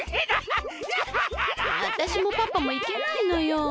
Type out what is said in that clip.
あたしもパパもいけないのよ。